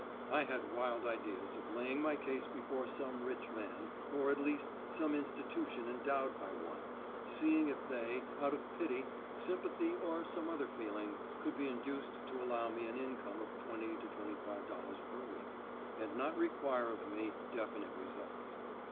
I had wild ideas of laying my case before some rich man, or at least some institution endowed by one, seeing if they, out of pity, sympathy, or some other feeling, could be induced to allow me an income of $20 to $25 per week, and not require of me definite results.